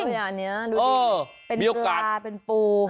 อืมดูอย่านี้ดูดิ